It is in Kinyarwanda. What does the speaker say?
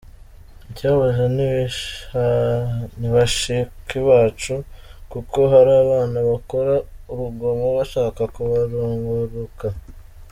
Ikibabaje nibashiki bacu, kuko hari abana bakora urugomo bashaka kubarunguruka.